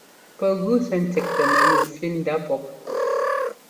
Pɛ gʉ sɛ́ ńtíꞌtɛ mɛyúu fí ndá pɔ́p.